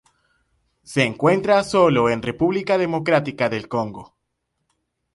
Se encuentra sólo en República Democrática del Congo.